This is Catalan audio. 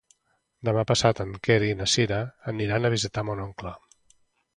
Demà passat en Quer i na Cira aniran a visitar mon oncle.